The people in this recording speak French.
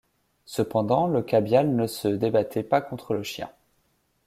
Cependant, le cabiai ne se débattait pas contre le chien.